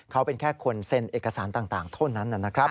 เขาเป็นแค่คนเซ็นเอกสารต่างเท่านั้นนะครับ